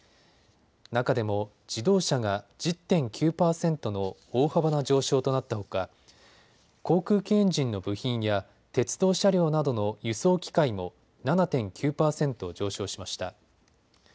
中でも自動車が１０．９％の大幅な上昇となったほか航空機エンジンの部品や鉄道車両などの輸送機械も７．９％上昇しました。